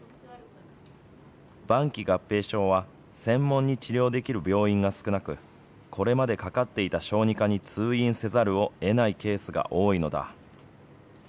晩期合併症は、専門に治療できる病院が少なく、これまでかかっていた小児科に通院せざるをえないケースが多いのだ。